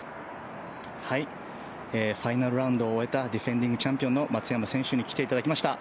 ファイナルラウンドを終えたディフェンディングチャンピオンの松山英樹選手に来ていただきました。